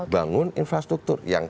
bangun infrastruktur yang